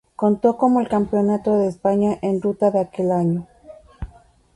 Contó como el Campeonato de España en ruta de aquel año.